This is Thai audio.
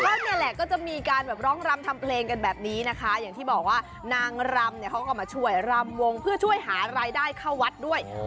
ก็นี่แหละก็จะมีการแบบร้องรำทำเพลงกันแบบนี้นะคะอย่างที่บอกว่านางรำเนี่ยเขาก็มาช่วยรำวงเพื่อช่วยหารายได้เข้าวัดด้วย